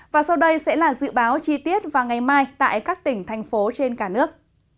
và sau đây sẽ là dự báo chi tiết vào ngày mai tại các tỉnh thành phố trên cả nước